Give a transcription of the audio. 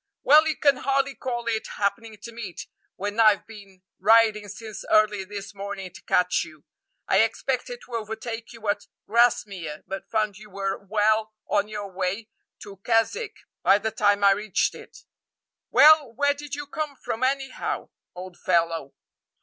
"Well, you can hardly call it happening to meet, when I've been riding since early this morning to catch you. I expected to overtake you at Grasmere, but found you were well on your way to Keswick by the time I reached it." "Well, where did you come from, anyhow, old fellow?"